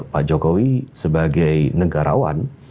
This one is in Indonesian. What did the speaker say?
pak jokowi sebagai negarawan